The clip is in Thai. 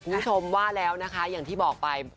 คุณผู้ชมว่าแล้วนะคะอย่างที่บอกไป